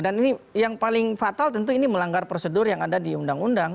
dan ini yang paling fatal tentu ini melanggar prosedur yang ada di undang undang